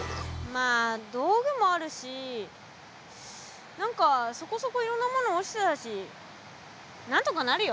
まあ道具もあるし何かそこそこいろんなもの落ちてたしなんとかなるよ。